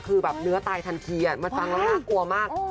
คือแบบเนื้อตายทันทีมันฟังแล้วน่ากลัวมาก